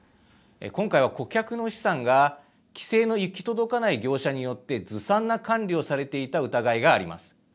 今回は顧客の資産が規制の行き届かない業者によってずさんな管理をされていた疑いがあります。